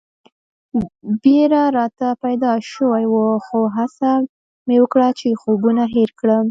بېره راته پیدا شوې وه خو هڅه مې وکړه چې خوبونه هېر کړم.